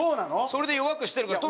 それで弱くしてるから。